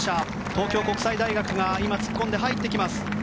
東京国際大学が今、突っ込んで入ってきます。